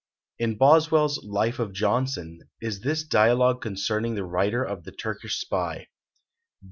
In Boswell's "Life of Johnson" is this dialogue concerning the writer of the "Turkish Spy."